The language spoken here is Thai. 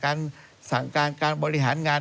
การสั่งการการบริหารงาน